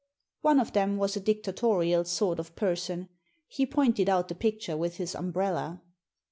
One of them was a dictatorial sort of person. He pointed out the picture with his umbrella.